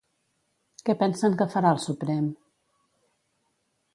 Què pensen que farà el Suprem?